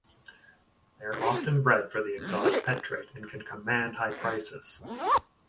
They are often bred for the exotic pet trade and can command high prices.